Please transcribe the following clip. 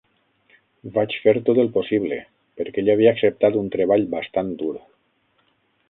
Vaig fer tot el possible, perquè ell havia acceptat un treball bastant dur.